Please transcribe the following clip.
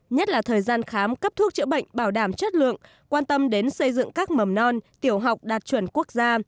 nhất là thời gian khám cấp thuốc chữa bệnh bảo đảm chất lượng quan tâm đến xây dựng các mầm non tiểu học đạt chuẩn quốc gia